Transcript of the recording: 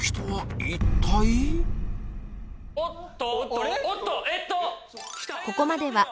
おっと！